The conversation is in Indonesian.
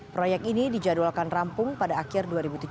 proyek ini dijadwalkan rampung pada akhir dua ribu tujuh belas